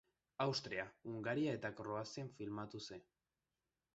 Austria, Hungaria eta Kroazian filmatu zen.